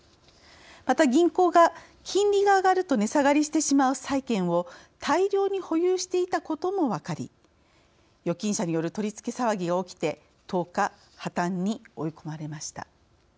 また、銀行が金利が上がると値下がりしてしまう債券を大量に保有していたことも分かり預金者による取り付け騒ぎが起きて１０日、破綻に追い込まれました。